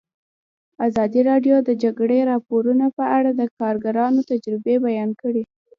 ازادي راډیو د د جګړې راپورونه په اړه د کارګرانو تجربې بیان کړي.